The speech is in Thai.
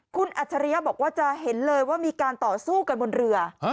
คุณอัจฉริยะบอกว่าจะเห็นเลยว่ามีการต่อสู้กันบนเรือ